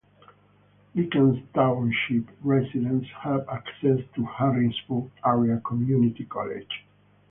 Lykens Township residents have access to Harrisburg Area Community College.